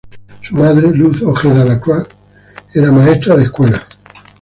Su madre, Luz Ojeda Lacroix era maestra de escuela.